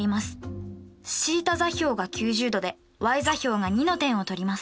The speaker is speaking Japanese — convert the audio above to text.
θ座標が９０°でｙ座標が２の点を取ります。